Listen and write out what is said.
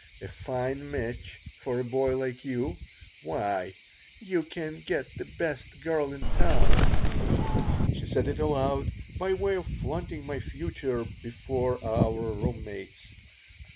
A fine match for a boy like you! Why, you can get the best girl in town." She said it aloud, by way of flaunting my future before our room mates.